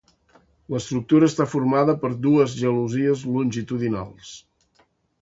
L'estructura està formada per dos gelosies longitudinals.